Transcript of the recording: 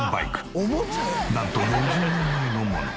なんと４０年前のもの。